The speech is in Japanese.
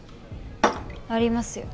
ありますよ。